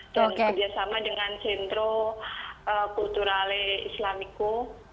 dan bekerjasama dengan centro culturale islamico